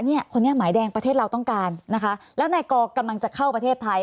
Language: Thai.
คนนี้หมายแดงประเทศเราต้องการนะคะแล้วนายกอกำลังจะเข้าประเทศไทย